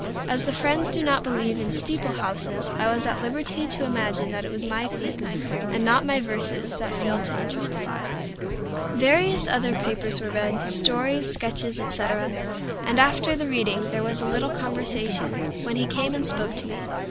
As the Friends do not believe in "steeple houses," I was at liberty to imagine that it was my theme, and not my verses, that failed to interest him. Various other papers were read, stories, sketches, etc., and after the reading there was a little conversation, when he came and spoke to me.